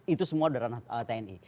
itu semua ranah tni